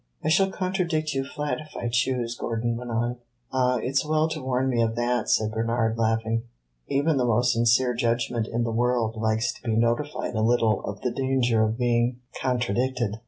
"I shall contradict you flat if I choose," Gordon went on. "Ah, it 's well to warn me of that," said Bernard, laughing. "Even the most sincere judgment in the world likes to be notified a little of the danger of being contradicted."